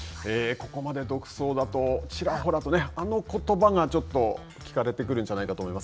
ここまで独走だとちらほらとあのことばが聞かれてくるんじゃないかと思いはい？